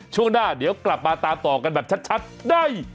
ช่วงหน้าเดี๋ยวกลับมาตามต่อกันแบบชัดได้